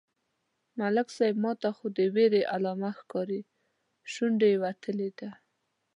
_ملک صيب! ماته خو د وېرې علامه ښکاري، شونډه يې وتلې ده.